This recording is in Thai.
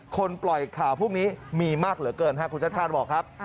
คนปล่อยข่าวพรุ่งนี้มีมากเหลือเกินคุณชัดบอกครับ